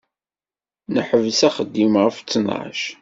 Neḥbes axeddim ɣef ttnac.